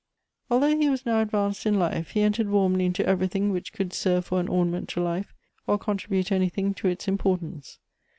Although he was now advanced in life, he entered warmly into everything which could serve for an orna ment to life, or contributfc anything to its importance.